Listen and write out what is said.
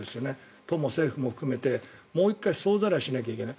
都も政府も含めてもう１回総ざらいしないといけない。